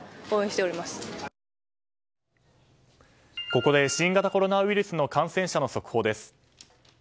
ここで新型コロナウイルスの感染者の速報です。